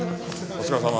お疲れさま。